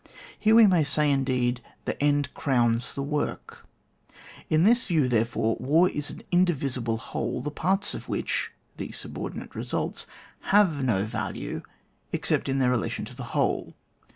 Here we may say indeed: the end crowns the work, la this view, therefore, war is an indi visible whole, the parts of which (the subordinate results) have no value except in their relation to this whole.